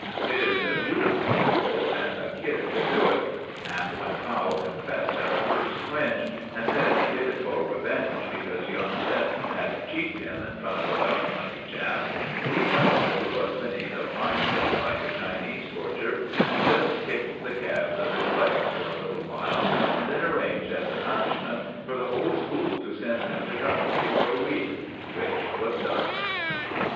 It is beautifully simple, and a kid can do it. And when Fowle confessed at the first twinge, and said he did it for revenge because young Smythe had cheeked him in front of about twenty chaps, we felt that he was beneath a fine thing like a Chinese torture, and just kicked the calves of his legs for a little while, and then arranged, as a punishment, for the whole school to send him to Coventry for a week. Which was done.